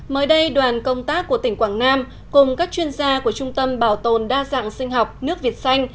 mới đây đoàn công tác của tỉnh quảng nam cùng các chuyên gia của trung tâm bảo tồn đa dạng sinh học nước việt xanh